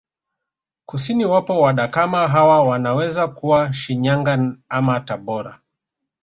Kusini wapo Wadakama hawa wanaweza kuwa Shinyanga ama Tabora